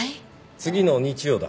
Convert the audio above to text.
次の日曜だ。